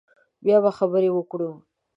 بیا به خبرې وکړو